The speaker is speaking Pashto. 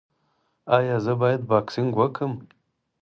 ایا زه باید بوکسینګ وکړم؟